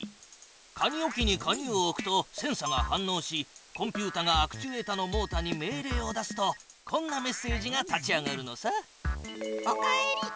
鍵置きに鍵を置くとセンサが反のうしコンピュータがアクチュエータのモータに命令を出すとこんなメッセージが立ち上がるのさ。